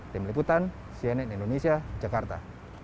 saya anand cnn indonesia jakarta